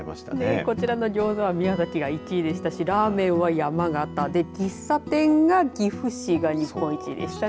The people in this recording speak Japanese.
こちらのギョーザは宮崎が１位でしたしラーメンは山形で喫茶店が岐阜市が日本一でしたね。